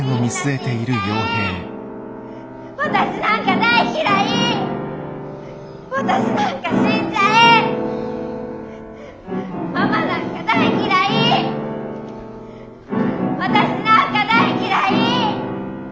私なんか大嫌い！